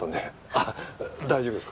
あ大丈夫です。